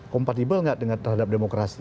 kompatibel gak dengan terhadap demokrasi